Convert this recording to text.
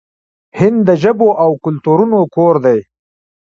هند د ژبو او کلتورونو کور دی.